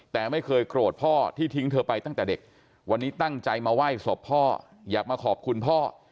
แต่ไม่เคยโกรธพ่อที่ทิ้งเธอไปตั้งแต่เด็กวันนี้ตั้งใจมาไหว้ศพพ่ออยากมาขอบคุณพ่อ